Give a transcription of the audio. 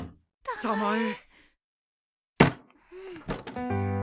たまえ